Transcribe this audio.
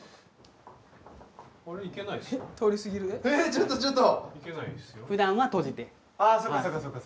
ちょっとちょっと。